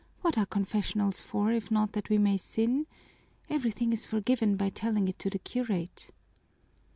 What are confessionals for if not that we may sin? Everything is forgiven by telling it to the curate."